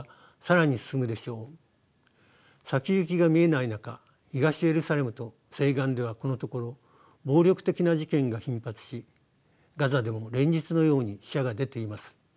先行きが見えない中東エルサレムと西岸ではこのところ暴力的な事件が頻発しガザでも連日のように死者が出ています。